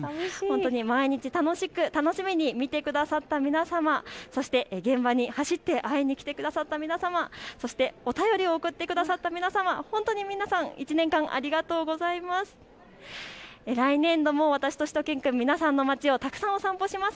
毎日、楽しく楽しみに見てくださった皆様、そして現場に走って会いに来てくださった皆様、お便りを送ってくださった皆様、本当に皆様、１年間ありがとうございます。